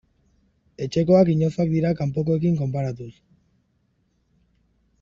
Etxekoak inozoak dira kanpokoekin konparatuz.